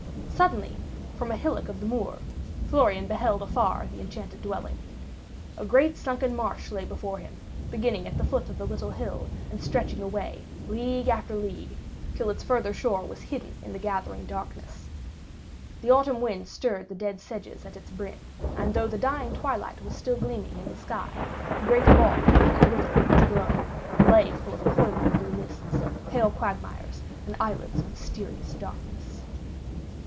Suddenly, from a hillock of the moor, Florian beheld afar the enchanted dwelling. A great sunken marsh lay before him, beginning at the foot of the little hill and stretching away, league after league, till its farther shore was hidden in the gathering darkness. The autumn wind stirred the dead sedges at its brim, and though the dying twilight was still gleaming in the sky, the great bog had caught little of its glow, and lay full of coiling blue mists, pale quagmires, and islands of mysterious darkness.